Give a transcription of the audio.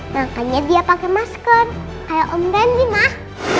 makanya dia pakai masker kayak om randy mas